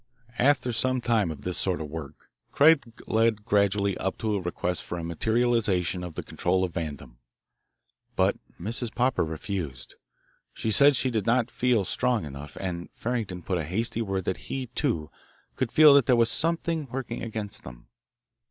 After some time of this sort of work Craig led gradually up to a request for a materialisation of the control of Vandam, but Mrs. Popper refused. She said she did not feel strong enough, and Farrington put in a hasty word that he, too, could feel that "there was something working against them."